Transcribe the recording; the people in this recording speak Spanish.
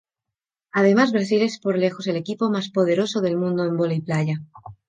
Además Brasil es por lejos el equipo más poderoso del mundo en vóley playa.